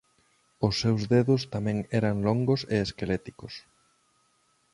Os seus dedos tamén eran longos e esqueléticos.